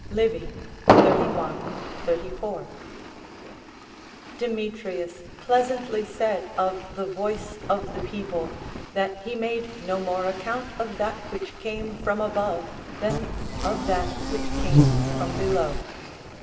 Livy, xxxi. 34.] Demetrius pleasantly said of the voice of the people, that he made no more account of that which came from above than of that which came from below.